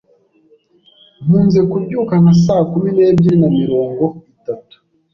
Nkunze kubyuka nka saa kumi n'ebyiri na mirongo itatu.